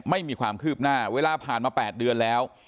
ไม่มีความคืบหน้าเวลาผ่านมา๘เดือนแล้ว